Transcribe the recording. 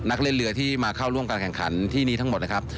นักเล่นเรือที่มาเข้าร่วมการแข่งขันที่นี้ทั้งหมดนะครับ